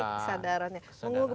nah ini kesadarannya